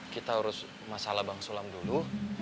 kita urus masalah bang sulam dulu